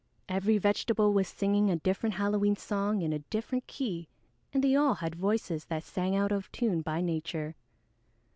Every vegetable was singing a different Halloween song in a different key, and they all had voices that sang out of tune by nature.